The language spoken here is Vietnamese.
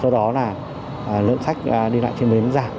do đó là lượng khách đi lại trên bến giảm